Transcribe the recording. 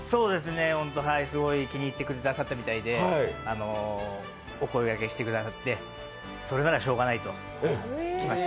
本当に気に入ってくださったみたいでお声掛けくださってそれならしようがないと、来ました